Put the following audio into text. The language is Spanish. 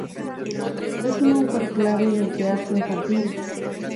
Es un autor clave en el teatro infantil.